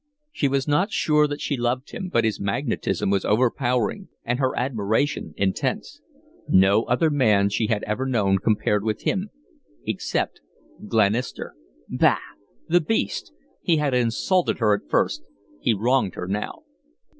She was not sure that she loved him, but his magnetism was overpowering, and her admiration intense. No other man she had ever known compared with him, except Glenister Bah! The beast! He had insulted her at first; he wronged her now.